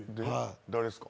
誰っすか？